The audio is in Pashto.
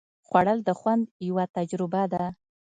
خوړل د خوند یوه تجربه ده